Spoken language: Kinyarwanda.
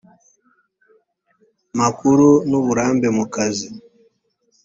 makuru n uburambe mu kazi